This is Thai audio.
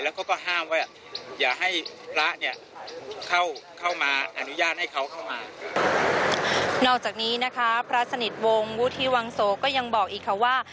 นอกจากนี้พระสนิทวงศ์วุฒิวังโสก็ยังบอกอีกค่ะว่า